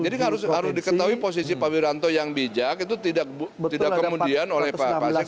jadi harus diketahui posisi pak wiranto yang bijak itu tidak kemudian oleh pak pasek